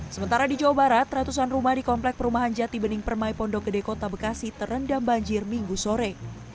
sementara di jawa barat ratusan rumah di komplek perumahan jati bening permai pondok gede kota bekasi terendam banjir minggu sore